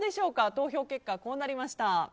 投票結果こうなりました。